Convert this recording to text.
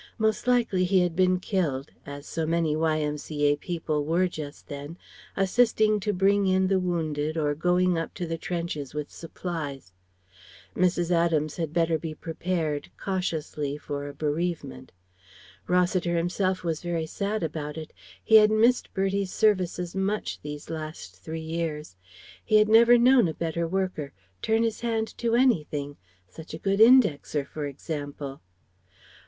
Most likely he had been killed as so many Y.M.C.A. people were just then, assisting to bring in the wounded or going up to the trenches with supplies. Mrs. Adams had better be prepared, cautiously, for a bereavement. Rossiter himself was very sad about it. He had missed Bertie's services much these last three years. He had never known a better worker turn his hand to anything Such a good indexer, for example.